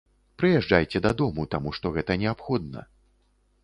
Прыязджайце дадому, таму што гэта неабходна.